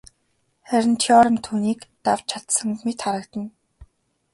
Харин Теорем түүнийг давж чадсан мэт харагдана.